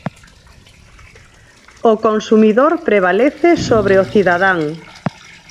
O consumidor prevalece sobre o cidadán.